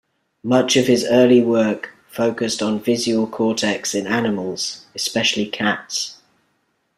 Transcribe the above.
Much of his early work focused on visual cortex in animals, especially cats.